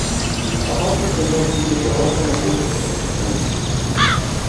Ападкі прагназуюцца пераважна на поўначы нашай краіны.